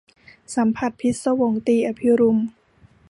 สัมผัสพิศวง - ตรี อภิรุม